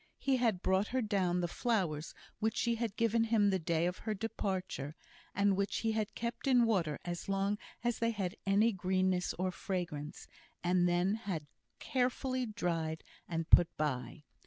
He had brought her down the flowers which she had given him the day of her departure, and which he had kept in water as long as they had any greenness or fragrance, and then had carefully dried and put by.